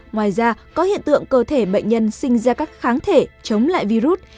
ngoài ra có hiện tượng cơ thể bệnh nhân sinh ra các kháng thể chống lại virus